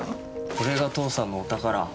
これが父さんのお宝。